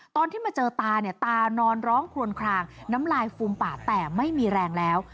ตอนที่มาเจอตาเนี่ยตานอนร้องครวนคลางน้ำลายฟูมปากแต่ไม่มีแรงแล้ว